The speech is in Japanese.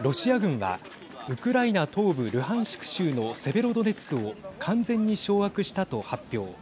ロシア軍はウクライナ東部ルハンシク州のセベロドネツクを完全に掌握したと発表。